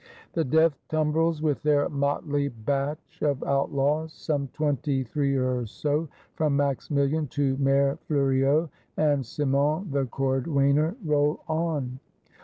The Death tumbrels, with their motley Batch of Outlaws, some Twenty three or so, from Maximihen to Mayor Fleuriot and Simon the Cordwainer, roll on.